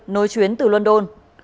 nối chuyến từ london